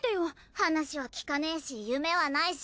話は聞かねえし夢はないし。